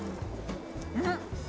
うん！